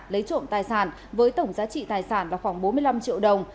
lấy trộm tài sản với tổng giá trị tài sản là khoảng bốn mươi năm triệu đồng